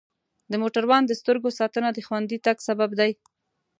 د موټروان د سترګو ساتنه د خوندي تګ سبب دی.